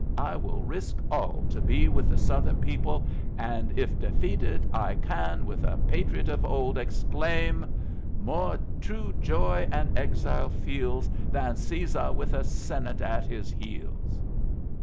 I will risk all to be with the Southern people, and if defeated I can, with a patriot of old, exclaim, "'More true joy an exile feels Than Cæsuh with a Senate at his heels.'